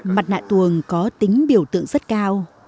mặt nạ tuồng có tính biểu tượng rất cao